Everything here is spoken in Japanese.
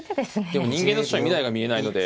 でも人間としては未来が見えないので。